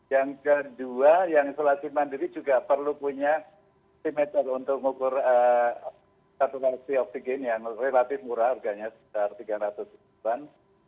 yang kedua yang isolasi mandiri juga perlu punya simeter untuk ngukur saturasi oksigen yang relatif murah harganya sekitar tiga ratus ton